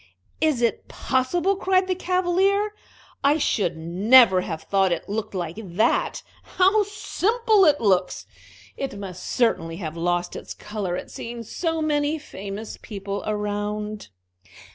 "Is it possible?" cried the Cavalier. "I should never have thought it looked like that! How simple it looks! It must certainly have lost its color at seeing so many famous people around."